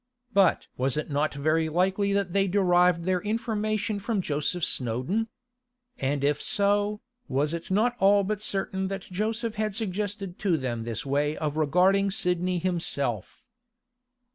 But was it not very likely that they derived their information from Joseph Snowdon? And if so, was it not all but certain that Joseph had suggested to them this way of regarding Sidney himself?